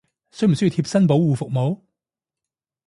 需唔需要貼身保護服務！？